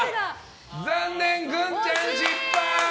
残念、グンちゃん失敗！